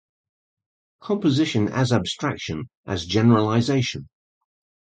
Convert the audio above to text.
Composition as abstraction, as generalization.